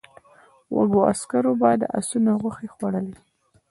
وږو عسکرو به د آسونو غوښې خوړلې.